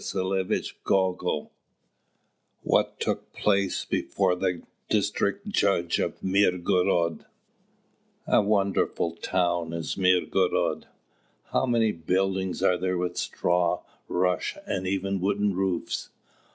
CHAPTER IV WHAT TOOK PLACE BEFORE THE DISTRICT JUDGE OF MIRGOROD A wonderful town is Mirgorod! How many buildings are there with straw, rush, and even wooden roofs!